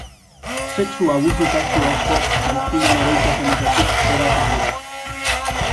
Sexu-abusu kasu asko biktimen oroitzapenetatik eratzen dira.